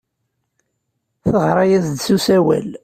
Teɣra-as-d s usawal.